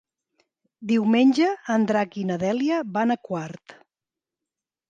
Diumenge en Drac i na Dèlia van a Quart.